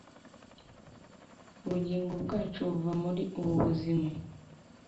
ubugingo bwacu buva muri ubu buzima